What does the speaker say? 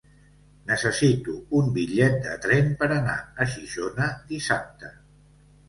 Necessito un bitllet de tren per anar a Xixona dissabte.